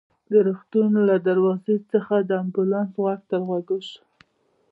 د روغتون له دروازې څخه د امبولانس غږ تر غوږو شو.